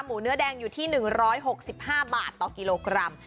เนื้อแดงอยู่ที่๑๖๕บาทต่อกิโลกรัม